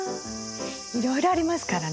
いろいろありますからね。